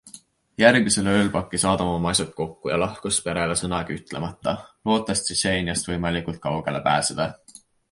Järgmisel ööl pakkis Adam oma asjad kokku ja lahkus perele sõnagi ütlemata, lootes Tšetšeeniast võimalikult kaugele pääseda.